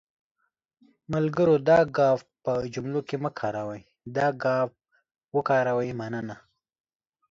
ملګرو دا گ په جملو کې مه کاروٸ، دا ګ وکاروٸ.مننه